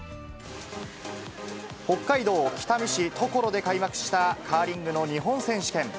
北海道北見市常呂で開幕したカーリングの日本選手権。